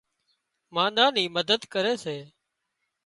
مانۮان نِي مدد ڪري سي